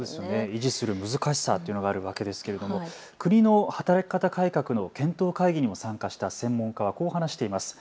維持する難しさというのがあるわけですけれども国の働き方改革の検討会議の参加した専門家はこう話しています。